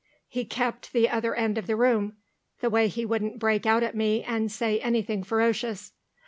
"He kept the other end of the room, the way he wouldn't break out at me and say anything ferocious."